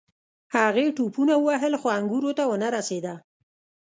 هغې ټوپونه ووهل خو انګورو ته ونه رسیده.